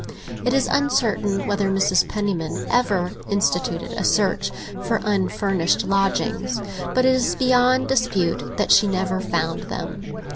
It is uncertain whether Mrs. Penniman ever instituted a search for unfurnished lodgings, but it is beyond dispute that she never found them.